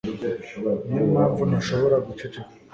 ni yo mpamvu ntashobora guceceka